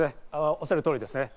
おっしゃる通りですね。